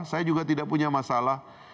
saya juga tidak punya masalah